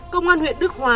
công an huyện đức hòa